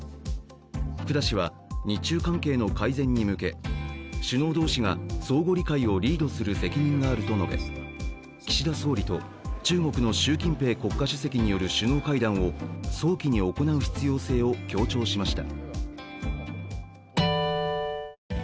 福田氏は、日中関係の改善に向け首脳同士が相互理解をリードする責任があると述べ、岸田総理と中国の習近平国家主席による首脳会談を早期に行う必要性を強調しました。